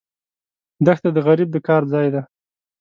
دښته د غریب د کار ځای ده.